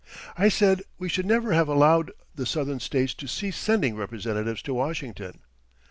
I said we should never have allowed the Southern States to cease sending representatives to Washington.